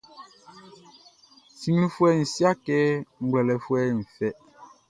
Siglifoué siâkê nʼglwêlêfoué fɛ.